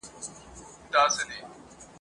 د هغه ټوله شتمني د هغه د ښځي